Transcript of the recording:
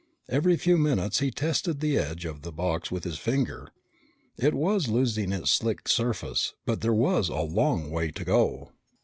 Every few minutes he tested the edge of the box with his finger. It was losing its slick surface, but there was a long way to go.